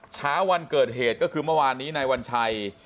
เช้าวันเกิดเหตุก็คือเมื่อวานนี้นายวัญชัย